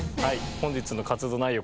本日の活動内容